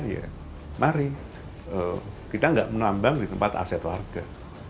ya mari kita nggak menambang di tempat aset warga